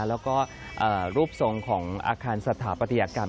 แล้วก็รูปทรงของอาคารสถาปัตยกรรม